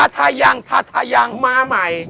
มาหน่าย